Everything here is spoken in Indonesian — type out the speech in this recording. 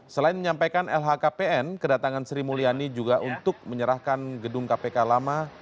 selain menyampaikan lhkpn kedatangan sri mulyani juga untuk menyerahkan gedung kpk lama